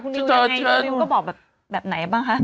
คุณริวก็บอกแบบไหนบ้างคะ